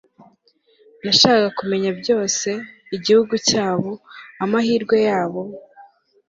nashakaga kumenya byose, igihugu cyabo, amahirwe yabo